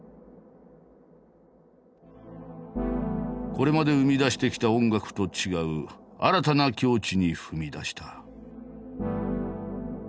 これまで生み出してきた音楽と違う新たな境地に踏み出した。